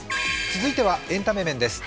続いてはエンタメ面です。